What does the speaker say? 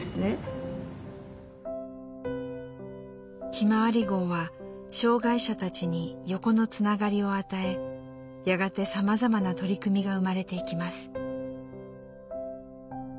ひまわり号は障害者たちに横の繋がりを与えやがてさまざまな取り組みが生まれていきます。